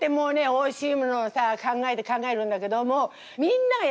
おいしいものをさ考えて考えるんだけどもみんながやらないことってさ